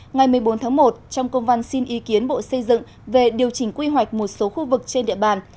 ngày một mươi bốn tháng một trong công văn xin ý kiến bộ xây dựng về điều chỉnh quy hoạch một số khu vực trên địa bàn